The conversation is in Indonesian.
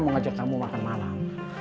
mau ngajak kamu makan malam